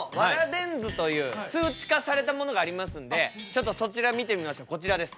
電図という数値化されたものがありますんでちょっとそちら見てみましょうこちらです。